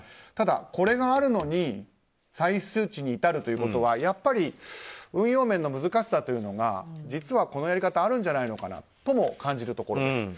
ただ、これがあるのに再周知に至るということはやっぱり運用面の難しさというのが実はこのやり方あるんじゃないかとも感じるところです。